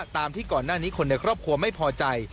ตามที่ก่อนหน้านี้คนในครอบครัวไม่พอใจ